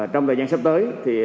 trong thời gian sắp tới